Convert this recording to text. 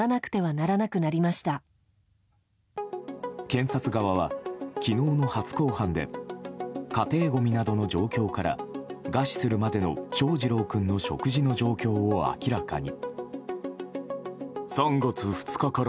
検察側は、昨日の初公判で家庭ごみなどの状況から餓死するまでの翔士郎君の食事の状況を明らかに。